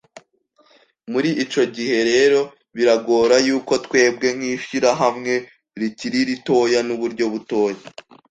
Muri ico gihe rero, biragora y'uko twebwe nk'ishirahamwe rikiri ritoya n'uburyo butoya